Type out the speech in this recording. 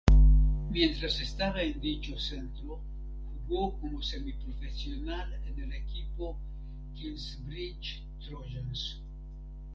Mientras estaba en dicho centro jugó como semiprofesional en el equipo Kingsbridge Trojans.